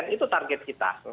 itu target kita